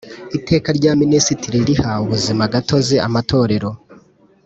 Iteka rya Minisitiri riha ubuzimagatozi amatorero